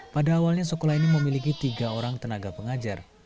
pada awalnya sekolah ini memiliki tiga orang tenaga pengajar